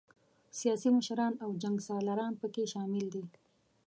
سیاسي مشران او جنګ سالاران پکې شامل دي.